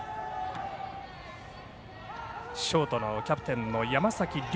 ショートのキャプテンの山崎凌